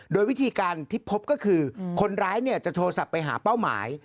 โดยวิธีการที่พบก็คือคนร้ายจะโทรศัพท์ไปหาเป้าหมาย